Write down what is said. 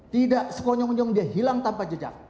tidak sekonyong nyong dia hilang tanpa jejak